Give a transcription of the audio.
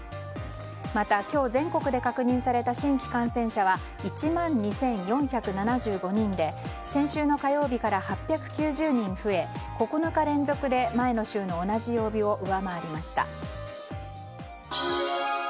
また、今日全国で確認された新規感染者は１万２４７５人で先週の火曜日から８９０人増え、９日連続で前の週の同じ曜日を上回りました。